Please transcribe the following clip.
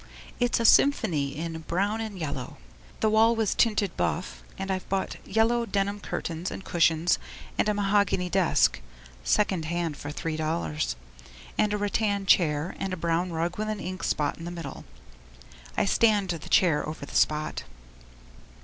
It's a symphony in brown and yellow. The wall was tinted buff, and I've bought yellow denim curtains and cushions and a mahogany desk (second hand for three dollars) and a rattan chair and a brown rug with an ink spot in the middle. I stand the chair over the spot.